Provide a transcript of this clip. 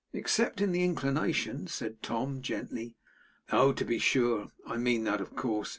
'Except in the inclination,' said Tom, gently. 'Oh! to be sure. I meant that, of course.